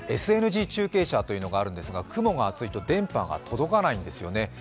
ＳＮＧ中継車というのがあるんですが雲が厚いと電波が届かないんですよね。